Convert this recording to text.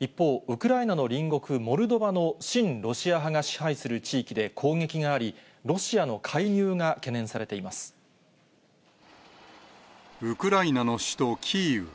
一方、ウクライナの隣国、モルドバの親ロシア派が支配する地域で攻撃があり、ウクライナの首都キーウ。